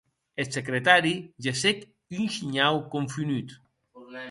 Eth secretari gessec un shinhau confonut.